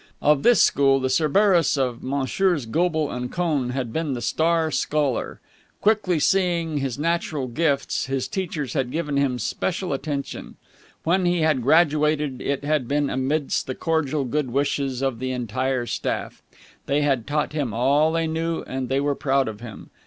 Of this school the Cerberus of Messrs. Goble and Cohn had been the star scholar. Quickly seeing his natural gifts, his teachers had given him special attention. When he had graduated, it had been amidst the cordial good wishes of the entire staff. They had taught him all they knew, and they were proud of him.